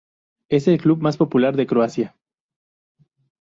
Es el club más popular de Croacia.